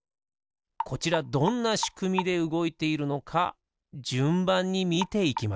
こちらどんなしくみでうごいているのかじゅんばんにみていきましょう。